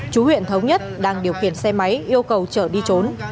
chú huyện thống nhất đang điều khiển xe máy yêu cầu trở đi trốn